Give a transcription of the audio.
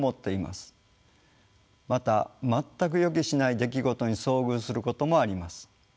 また全く予期しない出来事に遭遇することもあります。